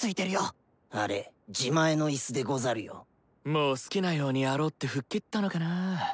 もう好きなようにやろうってふっきったのかなぁ。